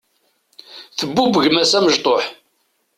Tbubb gma-s amecṭuḥ.